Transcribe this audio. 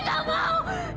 jangan bunuh opi